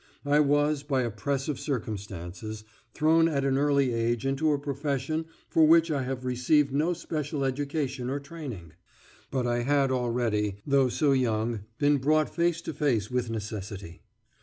I was, by a press of circumstances, thrown at an early age into a profession for which I had received no special education or training; but I had already, though so young, been brought face to face with necessity.